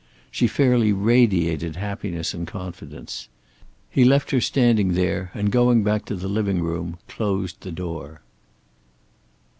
She fairly radiated happiness and confidence. He left her standing there going back to the living room closed the door.